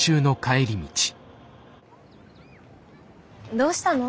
どうしたの？